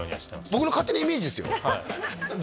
僕の勝手なイメージですよ